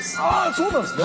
そうなんですね！